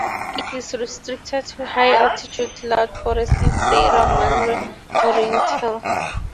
It is restricted to high altitude cloud forests in the Sierra Madre Oriental.